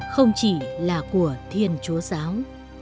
không chỉ là của thiên chúa giáo